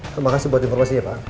terima kasih buat informasinya pak